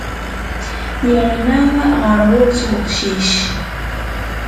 Yerna ɣer ɣur-s uqcic.